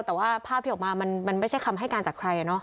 แต่ว่าภาพที่ออกมามันไม่ใช่คำให้การจากใคร